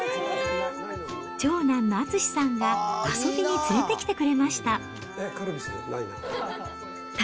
長男の敦さんが遊びに連れてきてくれました。